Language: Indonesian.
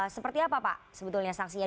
seperti apa pak sebetulnya sanksinya